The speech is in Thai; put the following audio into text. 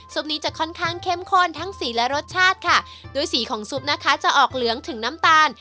นี้จะค่อนข้างเข้มข้นทั้งสีและรสชาติค่ะด้วยสีของซุปนะคะจะออกเหลืองถึงน้ำตาล